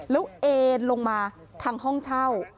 แล้วเอ็นลงมาทางห้องเช่า